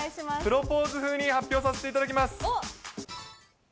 プロポーズ風に発表させていただきます。